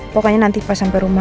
pokoknya nanti pas sampai rumah